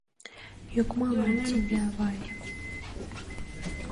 — Йокмалан тиде, авай.